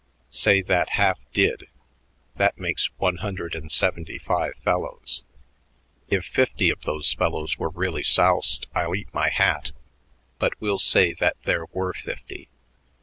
Say that half did. That makes one hundred and seventy five fellows. If fifty of those fellows were really soused, I'll eat my hat, but we'll say that there were fifty.